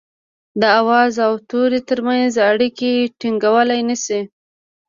د آواز او توري ترمنځ اړيکي ټيڼګولای نه شي